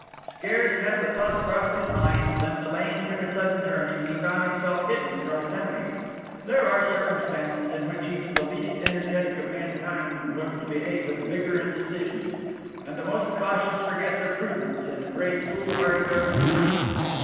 Scarcely had the thought crossed his mind than the lane took a sudden turning; and he found himself hidden from his enemies. There are circumstances in which even the least energetic of mankind learn to behave with vigour and decision; and the most cautious forget their prudence and embrace foolhardy resolutions.